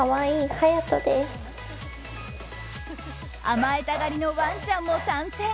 甘えたがりのワンちゃんも参戦。